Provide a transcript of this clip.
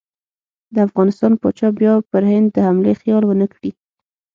د افغانستان پاچا بیا پر هند د حملې خیال ونه کړي.